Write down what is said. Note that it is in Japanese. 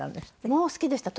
もう好きでした。